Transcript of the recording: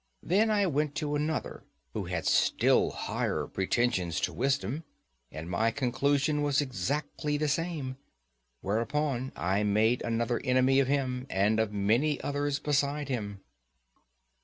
Then I went to another who had still higher pretensions to wisdom, and my conclusion was exactly the same. Whereupon I made another enemy of him, and of many others besides him.